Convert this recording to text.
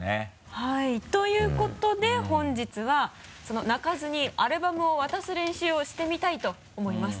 はいということで本日は泣かずにアルバムを渡す練習をしてみたいと思います。